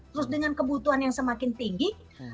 terus dengan kebutuhan yang semakin tinggi